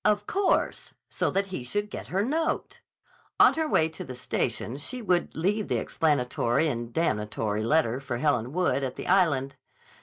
Of course; so that he should get her note! On her way to the station she would leave the explanatory and damnatory letter for Helen Wood at the Island.